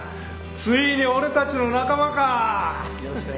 ついに俺たちの仲間かあ！